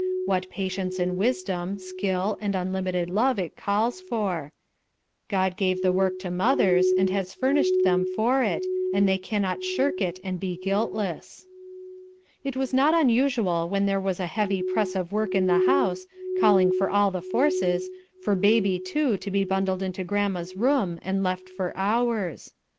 What patience and wisdom, skill, and unlimited love it calls for. God gave the work to mothers and has furnished them for it, and they cannot shirk it and be guiltless. It was not unusual when there was a heavy press of work in the house, calling for all the forces, for baby too to be bundled into grandma's room and left for hours.